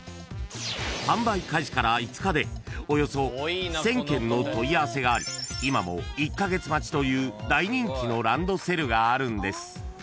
［販売開始から５日でおよそ１，０００件の問い合わせがあり今も１カ月待ちという大人気のランドセルがあるんです］